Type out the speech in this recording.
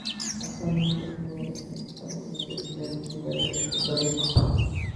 Actualmente es una de las principales universidades privadas de Puerto Rico.